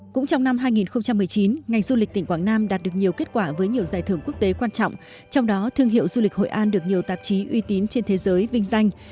cũng trong năm hai nghìn một mươi chín ngành du lịch tỉnh quảng nam đạt được nhiều kết quả với nhiều giải thưởng quốc tế quan trọng trong đó thương hiệu du lịch hội an được nhiều tạp chí uy tín trên thế giới vinh danh